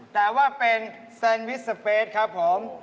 แต่ว่าเป็นแซนวิชสเปสครับผม